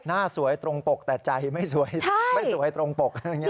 หน้าสวยตรงปกแต่ใจไม่สวยตรงปก